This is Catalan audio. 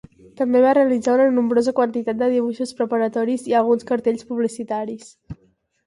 També va realitzar una nombrosa quantitat de dibuixos preparatoris i alguns cartells publicitaris.